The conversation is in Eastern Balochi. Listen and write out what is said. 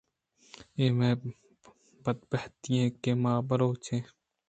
اے مئے بدبھتی اِنت کہ ما بلوچ ایں بلے